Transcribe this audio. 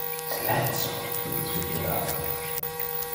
"Silentio", ille susurrava.